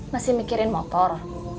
masih mikirin motor